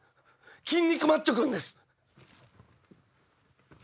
筋肉マッチョくんです。